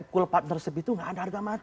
cool partnership itu nggak ada harga mati